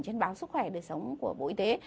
trên báo sức khỏe đời sống của bộ y tế